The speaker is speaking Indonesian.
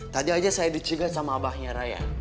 tadi aja saya diciptakan sama abangnya raya